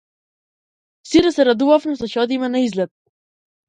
Сите се радуваме што ќе одиме на излет.